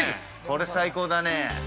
◆これ最高だね。